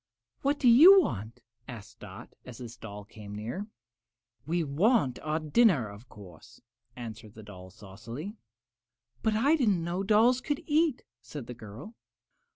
"What do you want?" asked Dot, as this doll came near. "We want our dinner, of course," answered the doll, saucily. "But I didn't know dolls could eat," said the girl.